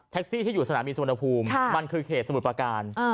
แท็กซี่ที่อยู่สนามอีสวนภูมิมันคือเขตสมุดปราการ